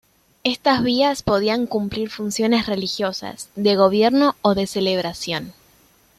Estas vías podían cumplir funciones religiosas, de gobierno o de celebración.